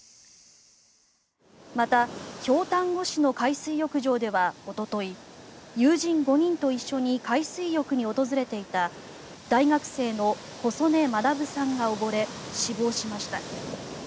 また京丹後市の海水浴場ではおととい友人５人と一緒に海水浴に訪れていた大学生の小曽根学さんが溺れ死亡しました。